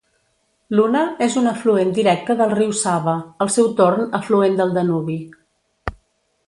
L'Una és un afluent directe del riu Sava, al seu torn afluent del Danubi.